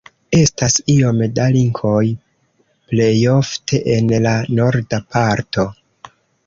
Estas iom da linkoj, plejofte en la norda parto.